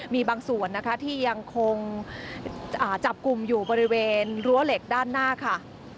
มีบางส่วนนะคะที่ยังคงจับกลุ่มอยู่บริเวณรั้วเหล็กด้านหน้าค่ะ